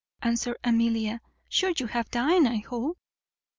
answered Amelia; "sure you have dined, I hope?"